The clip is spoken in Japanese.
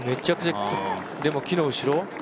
でも木の後ろ？